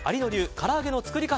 から揚げの作り方